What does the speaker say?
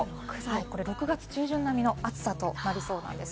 これ、６月中旬並みの暑さとなりそうなんです。